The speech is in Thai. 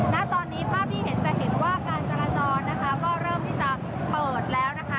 ณตอนนี้ภาพที่เห็นจะเห็นว่าการจราจรนะคะก็เริ่มที่จะเปิดแล้วนะคะ